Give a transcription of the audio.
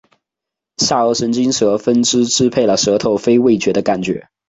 下颌神经舌分支支配了舌头非味觉的感觉